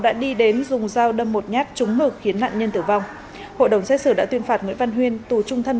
đã đi đến dùng dao đâm một nhát trúng ngược khiến nạn nhân tử vong hội đồng xếp xử đã tuyên phạt nguyễn văn huyên tù trung thần